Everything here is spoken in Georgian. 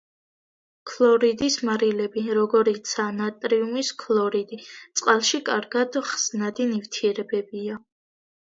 ქლორიდის მარილები, როგორიცაა ნატრიუმის ქლორიდი, წყალში კარგად ხსნადი ნივთიერებებია.